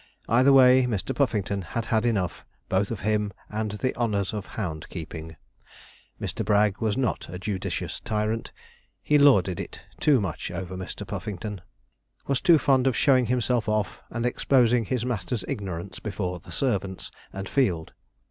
Either way, Mr. Puffington had had enough both of him and the honours of hound keeping. Mr. Bragg was not a judicious tyrant. He lorded it too much over Mr. Puffington; was too fond of showing himself off, and exposing his master's ignorance before the servants, and field.